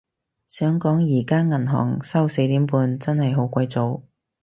想講而家銀行收四點半，真係好鬼早